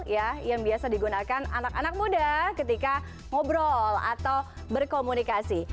ya yang biasa digunakan anak anak muda ketika ngobrol atau berkomunikasi